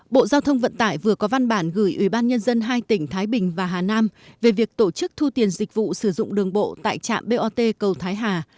bộ giao thông vận tải vừa có văn bản gửi ubnd hai tỉnh thái bình và hà nam về việc tổ chức thu tiền dịch vụ sử dụng đường bộ tại trạm bot cầu thái hà